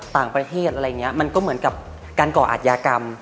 ต่างประเทศอะไรอย่างนี้มันก็เหมือนกับการก่ออาจยากรรม